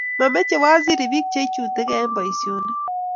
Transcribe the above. mameche waziri biik che ichutigei eng' boisionik